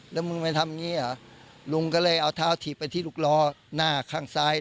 แล้วมึงไปทำอย่างนี้เหรอลุงก็เลยเอาเท้าถีบไปที่ลูกล้อหน้าข้างซ้าย